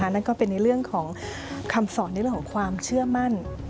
นั่นก็เป็นในเรื่องของคำสอนในเรื่องของความเชื่อมั่น